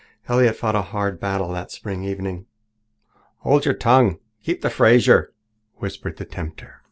Elliott fought a hard battle that spring evening. "Hold your tongue and keep the Fraser," whispered the tempter.